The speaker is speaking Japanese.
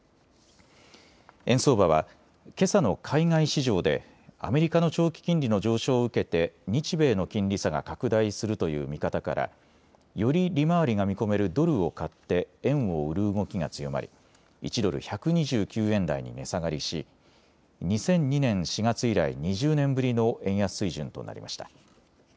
円相場はけさの海外市場でアメリカの長期金利の上昇を受けて日米の金利差が拡大するという見方からより利回りが見込めるドルを買って円を売る動きが強まり、１ドル１２９円台に値下がりし２００２年４月以来、２０年ぶりの円安水準となりました。